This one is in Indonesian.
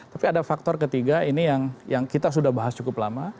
tapi ada faktor ketiga ini yang kita sudah bahas cukup lama